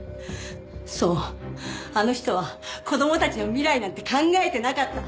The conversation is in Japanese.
そうあの人は子供たちの未来なんて考えてなかった。